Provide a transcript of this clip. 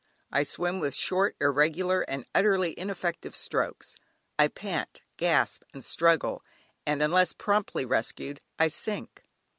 I swim with short, irregular, and utterly ineffective strokes, I pant, gasp and struggle, and unless promptly rescued, I sink.